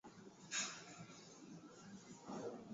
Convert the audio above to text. vinavyoonesha kuwa kuna watu walionusurika na tetemeko la ardhi